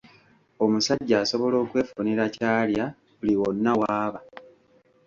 Omusajja asobola okwefunira ky'alya buli wonna w'aba.